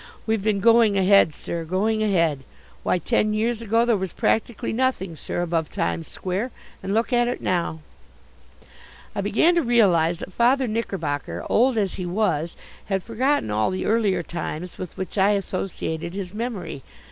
We've been going ahead, sir, going ahead. Why, ten years ago there was practically nothing, sir, above Times Square, and look at it now." I began to realize that Father Knickerbocker, old as he was, had forgotten all the earlier times with which I associated his memory.